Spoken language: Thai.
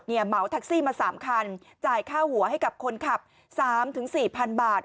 เหมาแท็กซี่มา๓คันจ่ายค่าหัวให้กับคนขับ๓๔๐๐๐บาท